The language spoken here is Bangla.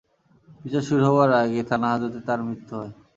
বিচার শুরু হবার আগেই থানা-হাজতে তাঁর মৃত্যু হয়।